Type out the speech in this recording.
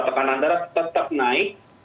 tekanan darah tetap naik